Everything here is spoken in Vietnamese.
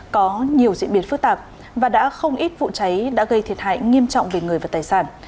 có nhiều diễn biến phức tạp và đã không ít vụ cháy đã gây thiệt hại nghiêm trọng về người và tài sản